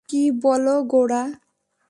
কী বল গোরা?